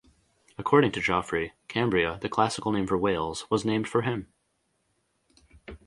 According to Geoffrey, Cambria, the classical name for Wales, was named for him.